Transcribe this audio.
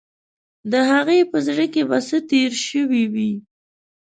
د هغې په زړه کې به څه تیر شوي وي.